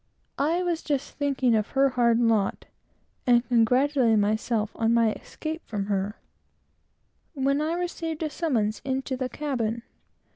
I was just thinking of her hard lot, and congratulating myself upon my escape from her, when I received a summons into the cabin.